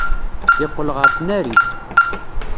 Yeqqel ɣer tnarit.